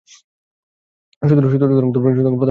সুতরাং প্রথম হাদীসই সঠিক ও বিশুদ্ধ।